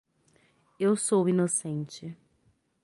Eu sou inocente.